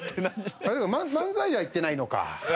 でも漫才では行ってないのか。